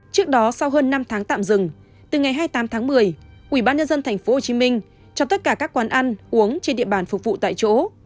trước đó sau hơn năm tháng tạm dừng từ ngày hai mươi tám một mươi quỹ ban nhân dân tp hcm cho tất cả các quán ăn uống trên địa bàn phục vụ tại chỗ